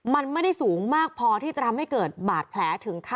มันไม่ได้สูงมากพอที่จะทำให้เกิดบาดแผลถึงขั้น